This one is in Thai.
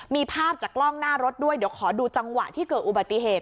มีภาพจากกล้องหน้ารถด้วยเดี๋ยวขอดูจังหวะที่เกิดอุบัติเหตุ